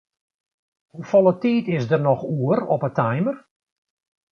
Hoefolle tiid is der noch oer op 'e timer?